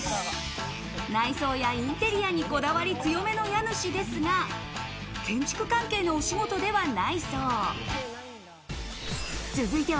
内装やインテリアにこだわり強めの家主ですが、建築関係のお仕事ではないそう。